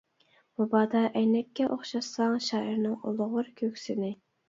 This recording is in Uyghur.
مۇبادا ئەينەككە ئوخشاتساڭ، شائىرنىڭ ئۇلۇغۋار كۆكسىنى.